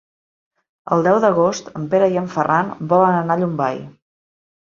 El deu d'agost en Pere i en Ferran volen anar a Llombai.